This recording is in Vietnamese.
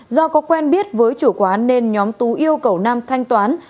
do có quen biết với chủ quán nên nhóm tú yêu cầu nam thanh toán